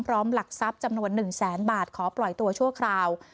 หลักทรัพย์จำนวน๑แสนบาทขอปล่อยตัวชั่วคราว